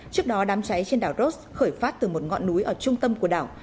trước đó đàm cháy trên đảo rhodes khởi phát từ một ngọn núi ở trung tâm của đảo